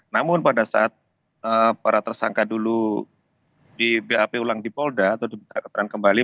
namun pada saat para tersangka dulu di bap ulang di polda atau diminta keterangan kembali